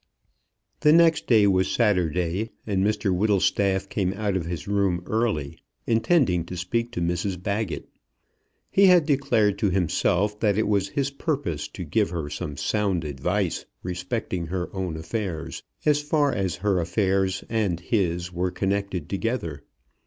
The next day was Saturday, and Mr Whittlestaff came out of his room early, intending to speak to Mrs Baggett. He had declared to himself that it was his purpose to give her some sound advice respecting her own affairs, as far as her affairs and his were connected together.